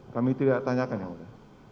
kami tidak tanyakan yang mulia